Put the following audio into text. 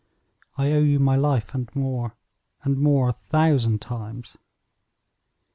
I owe you my life and more and more a thousand times."